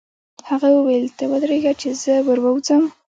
هغه وویل: ته ودرېږه چې زه ور ووځم.